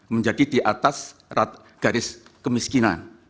menjadi di atas garis kemiskinan